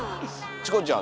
チコちゃん